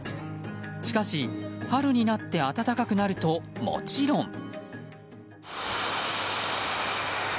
しかし、春になって暖かくなるともちろん。